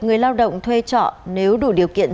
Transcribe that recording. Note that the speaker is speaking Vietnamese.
người lao động thuê trọ nếu đủ điều kiện